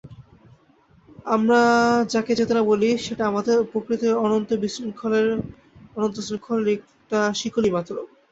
আমরা যাকে চেতনা বলি, সেটা আমাদের প্রকৃতির অনন্ত শৃঙ্খলের একটা শিকলি-মাত্র।